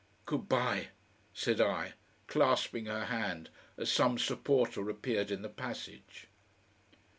"Good bye!" said I, clasping her hand as some supporter appeared in the passage....